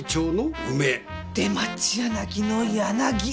出町柳の柳。